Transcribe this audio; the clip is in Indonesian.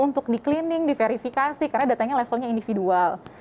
untuk di cleaning di verifikasi karena datanya levelnya individual